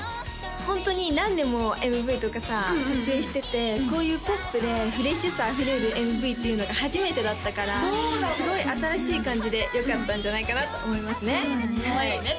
ホントに何年もＭＶとかさ撮影しててこういうポップでフレッシュさ溢れるＭＶっていうのが初めてだったからすごい新しい感じでよかったんじゃないかなと思いますねかわいいね